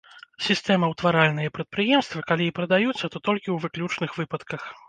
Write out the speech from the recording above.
Сістэмаўтваральныя прадпрыемствы, калі і прадаюцца, то толькі ў выключных выпадках.